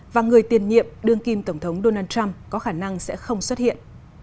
và người tiền nhiệm đương kim tổng thống donald trump có khả năng sẽ không xuất hiện